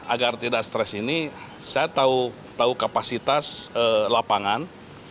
agar tidak stres ini saya tahu kapasitas lapangan